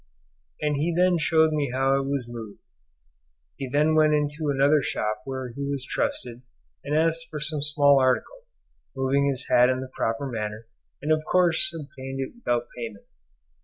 and he then showed me how it was moved. He then went into another shop where he was trusted, and asked for some small article, moving his hat in the proper manner, and of course obtained it without payment.